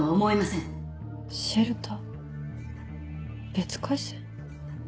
別回線？